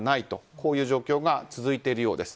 こういう状況が続いているようです。